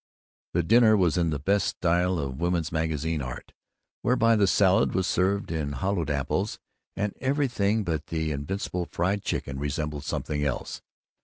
The dinner was in the best style of women's magazine art, whereby the salad was served in hollowed apples, and everything but the invincible fried chicken resembled something else.